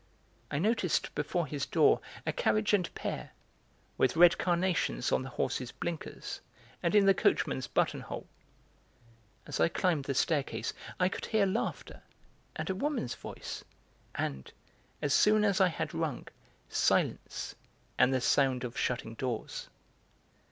I noticed before his door a carriage and pair, with red carnations on the horses' blinkers and in the coachman's buttonhole. As I climbed the staircase I could hear laughter and a woman's voice, and, as soon as I had rung, silence and the sound of shutting doors.